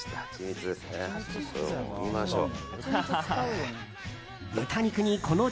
焼きましょう。